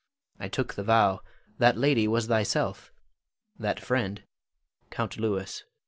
I took the vow: that lady was thyself, that friend Count Louis.